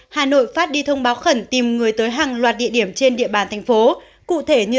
hà nội phát đi thông báo khẩn tìm người tới hàng loạt địa điểm trên địa bàn thành phố cụ thể như